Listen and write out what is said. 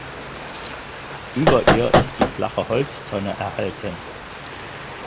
Über ihr ist die flache Holztonne erhalten.